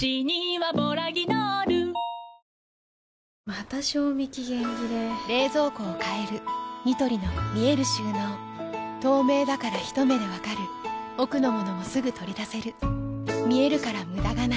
また賞味期限切れ冷蔵庫を変えるニトリの見える収納透明だからひと目で分かる奥の物もすぐ取り出せる見えるから無駄がないよし。